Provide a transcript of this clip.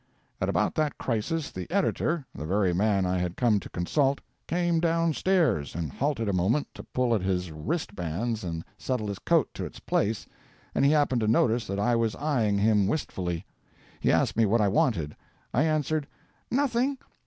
At about that crisis the editor, the very man I had come to consult, came down stairs, and halted a moment to pull at his wristbands and settle his coat to its place, and he happened to notice that I was eyeing him wistfully. He asked me what I wanted. I answered, "NOTHING!"